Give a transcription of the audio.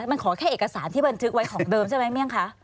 มันขอแค่เอกสารที่บันทึกไว้ของเดิมใช่ไหมเมี่ยงคะ